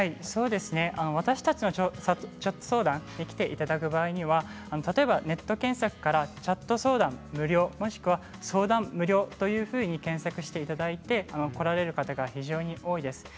私たちのチャット相談できていただく場合は例えばネット検索からチャット相談無料もしくは相談無料と検索していただいてこられる方が多いです。